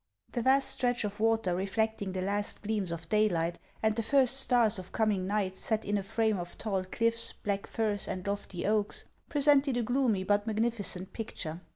The vast stretch of water reflecting the last gleams of daylight and the first stars of coming night set in a frame of tall cliffs, black firs, and lofty oaks, presented a gloomy but magnificent picture.